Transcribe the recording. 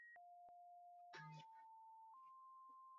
Zamzam ni msichana mrembo.